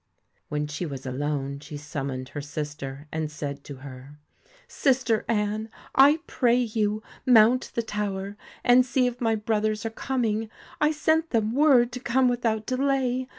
When she was alone, she summoned her sister, and said to her :' Sister Anne, I pray you, mount the tower, and see if my brothers are coming. I sent them word to come without delay.